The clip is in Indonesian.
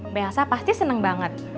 mbak elsa pasti seneng banget